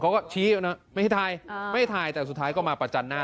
เขาก็ชี้ไม่ได้ถ่ายแต่สุดท้ายก็มาประจันทร์หน้า